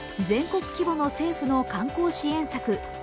全国規模の政府の観光支援策